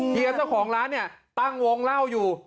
เฮียเจ้าของร้านเนี่ยตั้งวงเล่าอยู่